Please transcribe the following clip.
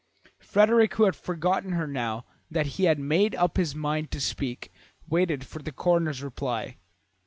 Frederick, who had forgotten her now that he had made up his mind to speak, waited for the coroner's reply.